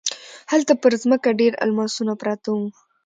هلته په ځمکه ډیر الماسونه پراته وو.